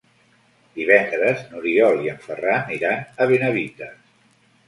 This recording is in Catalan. Divendres n'Oriol i en Ferran iran a Benavites.